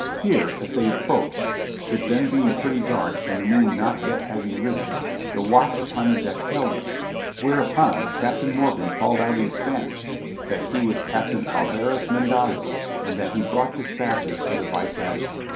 Here, as they approached, it then being pretty dark and the moon not yet having risen, the watch upon the deck hailed them, whereupon Captain Morgan called out in Spanish that he was Capt. Alvarez Mendazo, and that he brought dispatches for the vice admiral.